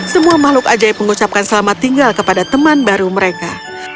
semua makhluk ajaib mengucapkan selamat tinggal kepada teman baru mereka